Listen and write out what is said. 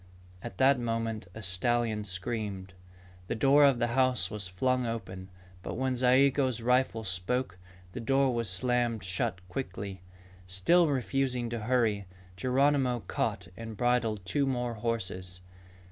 At that moment, a stallion screamed. The door of the house was flung open. But when Zayigo's rifle spoke, the door was slammed shut quickly. Still refusing to hurry, Geronimo caught and bridled two more horses.